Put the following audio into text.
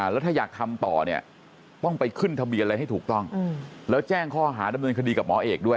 แล้วถ้าอยากทำต่อเนี่ยต้องไปขึ้นทะเบียนอะไรให้ถูกต้องแล้วแจ้งข้อหาดำเนินคดีกับหมอเอกด้วย